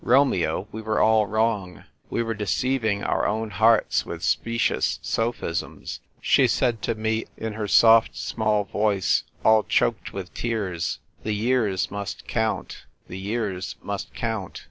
Romeo, we were all wrong. We were deceiving our own hearts with specious sophisms. She said to me in her soft small voice, all choked with tears, ' The years must count ; the years must count